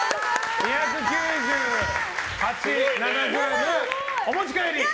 ２９８ｇお持ち帰り。